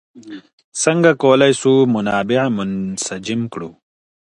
څنګه کولای سو منابع منسجم کړو؟